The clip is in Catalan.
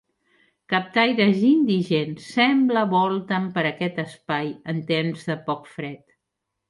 Captaires i indigents, sembla volten per aquest espai en temps de poc fred.